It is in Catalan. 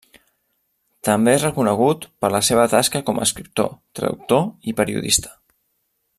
També és reconegut per la seva tasca com a escriptor, traductor i periodista.